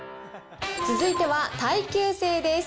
続いては耐久性です。